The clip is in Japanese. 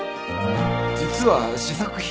実は試作品。